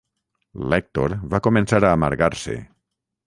L'Èctor va començar a amargar-se.